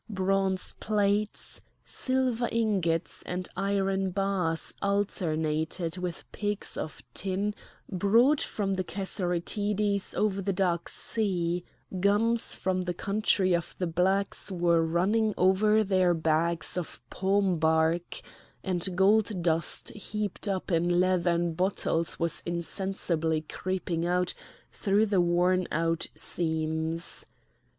Bronze plates, silver ingots, and iron bars alternated with pigs of tin brought from the Cassiterides over the Dark Sea; gums from the country of the Blacks were running over their bags of palm bark; and gold dust heaped up in leathern bottles was insensibly creeping out through the worn out seams.